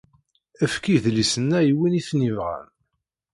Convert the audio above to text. Efk idlisen-a i win i ten-yebɣan.